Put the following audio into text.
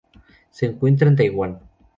Se encuentra en Taiwan.